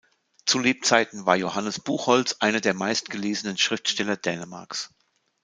Zu Lebzeiten war Johannes Buchholtz einer der meistgelesenen Schriftsteller Dänemarks.